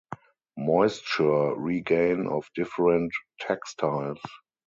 Moisture regain of different textiles.